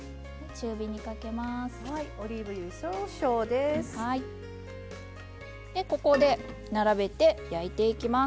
中火にかけます。